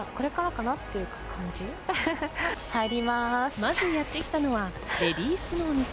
まずやってきたのはレディースのお店。